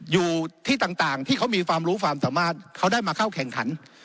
อยู่ที่ต่างที่เขามีความรู้ความสามารถเขาได้มาเข้าแข่งขัน